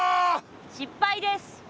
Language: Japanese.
失敗です。